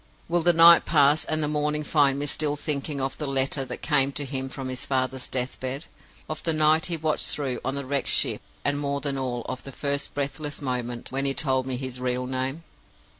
Will the night pass, and the morning find me still thinking of the Letter that came to him from his father's deathbed? of the night he watched through on the Wrecked Ship; and, more than all, of the first breathless moment when he told me his real Name?